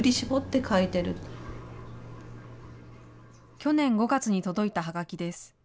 去年５月に届いたはがきです。